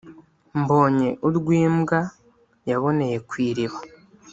mbonye urw'imbwa yaboneye kw'iriba